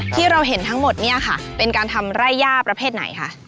ที่เราเห็นทั้งหมดเนี่ยค่ะเป็นการทำไร่ย่าประเภทไหนคะ